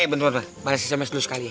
eh bener bener bales sms dulu sekali ya